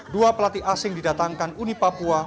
dua pelatih asing didatangkan uni papua